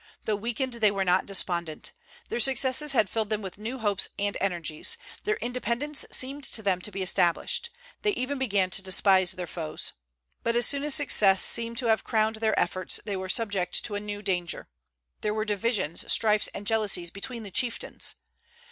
Though weakened, they were not despondent. Their successes had filled them with new hopes and energies. Their independence seemed to them to be established. They even began to despise their foes. But as soon as success seemed to have crowned their efforts they were subject to a new danger. There were divisions, strifes, and jealousies between the chieftains.